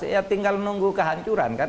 ya tinggal nunggu kehancuran kan